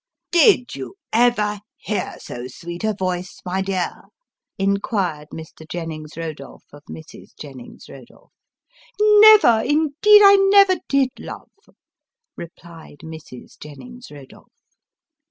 " Did you ever hear so sweet a voice, my dear ?" inquired Mr. Jennings Eodolph of Mrs. Jennings Eodolph. " Never ; indeed I never did, love ;" replied Mrs. Jennings Eodolph.